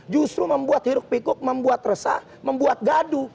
justru membuat hiruk pikuk membuat resah membuat gaduh